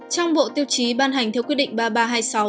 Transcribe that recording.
trong bộ tiêu chí ban hành theo quyết định ba nghìn ba trăm hai mươi sáu